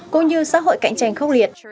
cũng như xã hội cạnh tranh khốc liệt